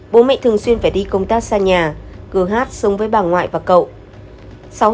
bố mẹ thường xuyên phải đi công tác xa nhà g h sống với bà ngoại và cậu